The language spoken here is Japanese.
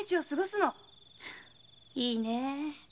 いいねえ。